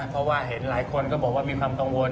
เพราะว่าเห็นหลายคนก็บอกว่ามีความกังวล